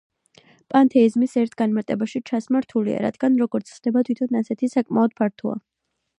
პანთეიზმის ერთ განმარტებაში ჩასმა რთულია, რადგან, როგორც ცნება, თვითონ ასეთი, საკმაოდ ფართოა.